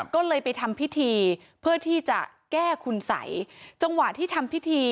ก็เลยไปทำพิธีเพื่อที่จะแก้คุณสัยจังหวะที่ทำพิธี